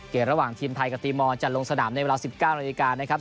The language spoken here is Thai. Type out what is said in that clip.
ระหว่างทีมไทยกับตีมอลจะลงสนามในเวลา๑๙นาฬิกานะครับ